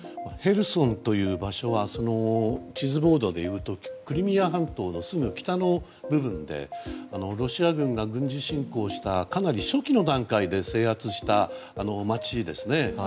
ヘルソンという場所は地図ボードでいうとクリミア半島のすぐ北の部分でロシア軍が軍事侵攻したかなり初期の段階で制圧した街ですね。